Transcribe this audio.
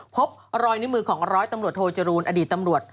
พบรอยนิ้วมือของร้อยตำรวจโทจรูลอดีตตำรวจ